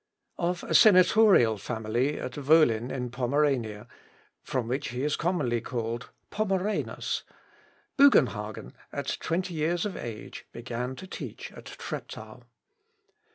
Of a senatorial family at Wollin in Pomerania, from which he is commonly called 'Pomeranus', Bugenhagen, at twenty years of age, began to teach at Treptow.